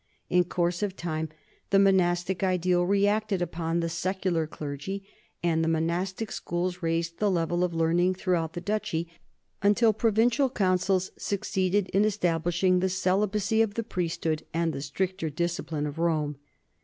In course of time the monastic ideal reacted upon the secu lar clergy, and the monastic schools raised the level of learning throughout the duchy, until provincial councils succeeded in establishing the celibacy of the priesthood and the stricter discipline of Rome.